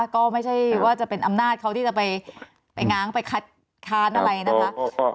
ก็ไม่ใช่ว่าจะเป็นอำนาจเขาที่จะไปง้างไปคัดค้านอะไรนะคะ